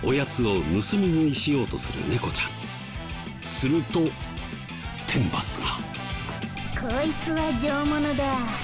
すると天罰が。